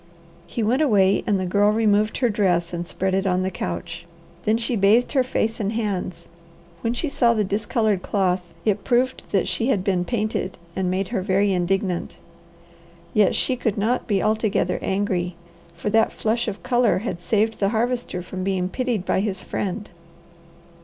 He went away and the Girl removed her dress and spread it on the couch. Then she bathed her face and hands. When she saw the discoloured cloth, it proved that she had been painted, and made her very indignant. Yet she could not be altogether angry, for that flush of colour had saved the Harvester from being pitied by his friend.